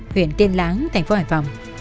huyện tiên láng thành phố hải phòng